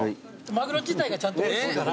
マグロ自体がちゃんとおいしいから。